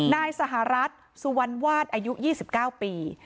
นายสหรัฐสุวรรณวาดอายุ๒๙ปี